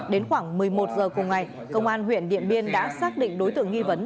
đến khoảng một mươi một h cùng ngày công an huyện điện biên đã xác định đối tượng nghi vấn